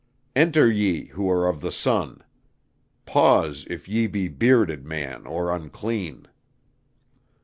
Enter ye who are of the Sun; pause if ye be bearded man or unclean."